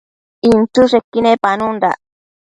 inchËshequi nepanundac